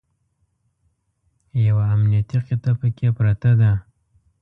یوه امنیتي قطعه پکې پرته ده.